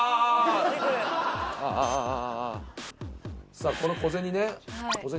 さあこの小銭ね。